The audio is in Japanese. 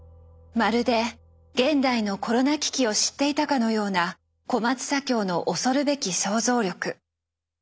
まるで現代のコロナ危機を知っていたかのような小松左京の恐るべき想像力。